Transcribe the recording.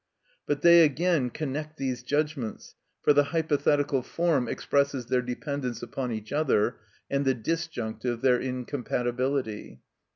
But they again connect these judgments, for the hypothetical form expresses their dependence upon each other, and the disjunctive their incompatibility.